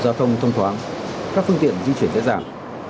giao thông thông thoáng các phương tiện di chuyển dễ dàng